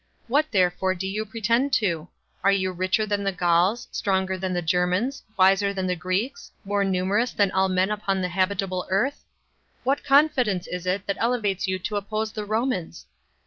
What therefore do you pretend to? Are you richer than the Gauls, stronger than the Germans, wiser than the Greeks, more numerous than all men upon the habitable earth? What confidence is it that elevates you to oppose the Romans?